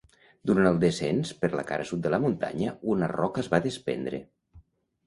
Durant el descens per la cara sud de la muntanya, una roca es va despendre.